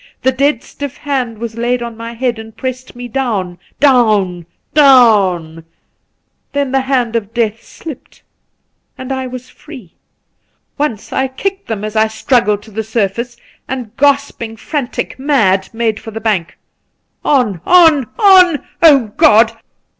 The dead stiff hand was laid on my head and pressed me down — down, down ! Then the hand of death slipped, and I was free. Once I kicked them as I struggled to the surface, and gasping, frantic, mad, made for the bank. On, on, on ! God